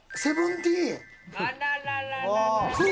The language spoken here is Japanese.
あらららら。